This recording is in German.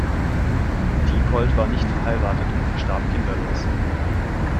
Diepold war nicht verheiratet und verstarb kinderlos.